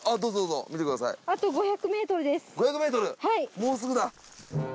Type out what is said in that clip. もうすぐだ！